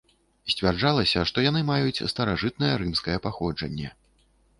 Сцвярджалася, што яны маюць старажытнае рымскае паходжанне.